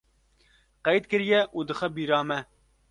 qeyd kiriye û dixe bîra me